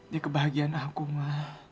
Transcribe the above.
dia kebahagiaan aku ma